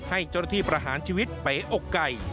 ให้เจ้าหน้าที่ประหารชีวิตเป๋อกไก่